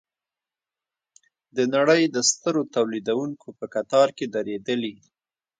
د نړۍ د سترو تولیدوونکو په کتار کې دریدلي.